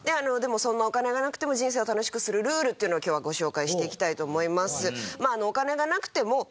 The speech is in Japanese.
そんなお金がなくても人生を楽しくするルールっていうのを今日はご紹介していきたいと思います。